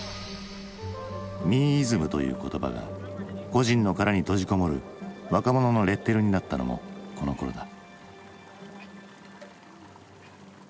「ミーイズム」という言葉が個人の殻に閉じこもる若者のレッテルになったのもこのころだ。